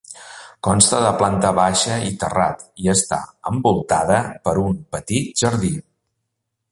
Consta de planta baixa i terrat i està envoltada per un petit jardí.